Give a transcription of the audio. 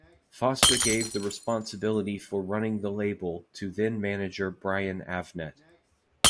Foster gave the responsibility for running the label to then manager Brian Avnet.